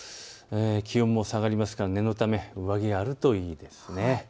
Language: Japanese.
気温も下がりますから念のため上着があるといいですね。